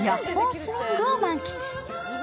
スウィングを満喫。